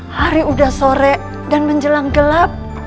hari udah sore dan menjelang gelap